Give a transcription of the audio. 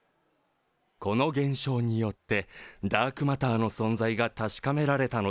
この現象によってダークマターの存在が確かめられたのです。